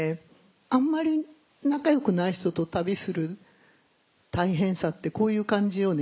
「あんまり仲良くない人と旅する大変さってこういう感じよね？」